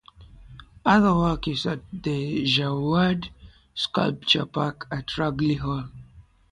Other work is at the Jerwood Sculpture Park at Ragley Hall.